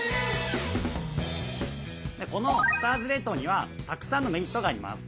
この下味冷凍にはたくさんのメリットがあります。